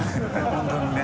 本当にね。